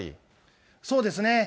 そうですね。